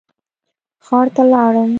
ښار ته لاړم.